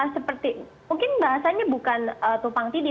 seperti mungkin bahasanya bukan tumpang tindih